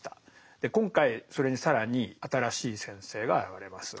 で今回それに更に新しい先生が現れます。